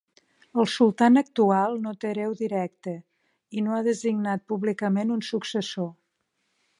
El Sultan actual no te hereu directe, i no ha designat públicament un successor.